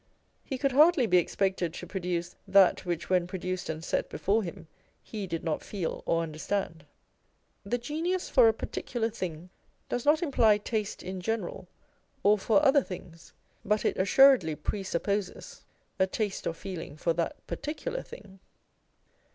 He could hardly be expected to produce that which when produced and set before him, he did not feel or understand. The genius for a particular thing does not imply taste in general or for other things, but it assuredly presupposes a taste or feeling for that particular thing.